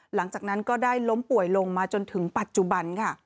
หลังจากนั้นก็ได้ล้มป่วยลงมาจนถึงปัจจุบันค่ะ